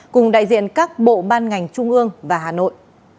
cùng đại diện các bộ ban ngành trung ương và hà nội